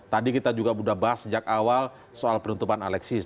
tadi kita juga sudah bahas sejak awal soal penutupan alexis